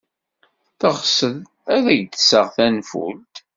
Teɣsed ad ak-d-sɣeɣ tanfult?